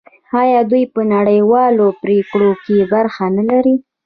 آیا دوی په نړیوالو پریکړو کې برخه نلري؟